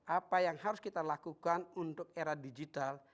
apa yang harus kita lakukan untuk era digital